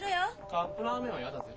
カップラーメンはやだぜ。